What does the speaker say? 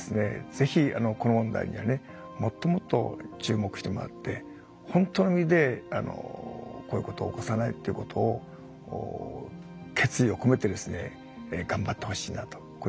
ぜひこの問題にはねもっともっと注目してもらって本当の意味でこういうことを起こさないっていうことを決意を込めてですね頑張ってほしいなとこんなふうに思ってます。